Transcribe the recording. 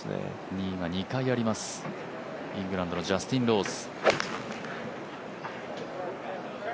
２位は２回あります、イングランドのジャスティン・トーマス。